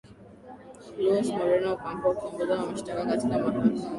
louis moreno ocampo kiongozi wa mashtaka katika mahakama